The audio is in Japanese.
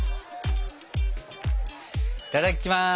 いただきます。